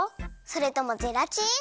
それともゼラチン？